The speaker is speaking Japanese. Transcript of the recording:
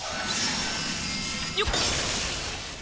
よっ！